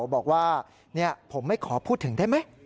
บอกว่าผมไม่ขอพูดถึงได้ไหม